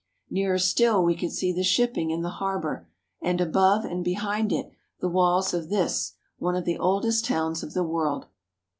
Nearer still we could see the shipping in the harbour, and above and behind it the walls of this, one of the old est towns of the world.